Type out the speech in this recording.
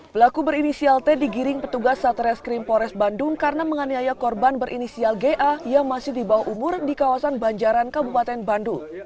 pelaku berinisial t digiring petugas satreskrim pores bandung karena menganiaya korban berinisial ga yang masih di bawah umur di kawasan banjaran kabupaten bandung